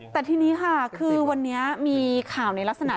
แต่ทีนี้ค่ะคือวันนี้มีข่าวในลักษณะ